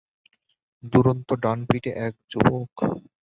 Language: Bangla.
দূরন্ত ডানপিটে এক যুবক।